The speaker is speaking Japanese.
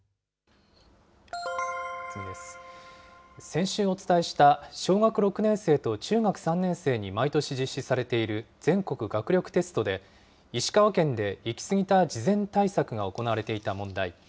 先週お伝えした、小学６年生と中学３年生に毎年実施されている全国学力テストで、石川県で行き過ぎた事前対策が行われていた問題。